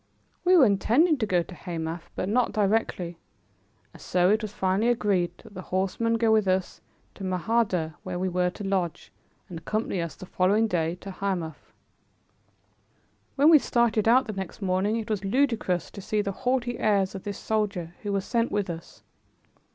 We were intending to go to Hamath, but not directly, and so it was finally agreed that the horseman go with us to Mahardeh where we were to lodge, and accompany us the following day to Hamath. When we started out the next morning, it was ludicrous to see the haughty airs of this soldier who was sent with us.